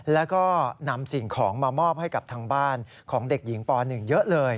แล้วก็นำสิ่งของมามอบให้กับทางบ้านของเด็กหญิงป๑เยอะเลย